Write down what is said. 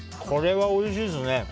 これはおいしいですね。